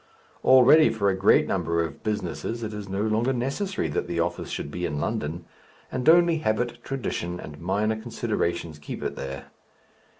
Already for a great number of businesses it is no longer necessary that the office should be in London, and only habit, tradition, and minor considerations keep it there.